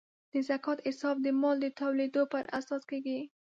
د زکات حساب د مال د ټولیدو پر اساس کیږي.